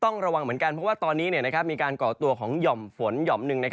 ต้องระวังเหมือนกันเพราะว่าตอนนี้มีการก่อตัวของหย่อมฝนหย่อมหนึ่ง